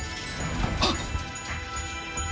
あっ！